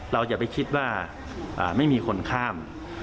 อย่าไปคิดว่าไม่มีคนข้าม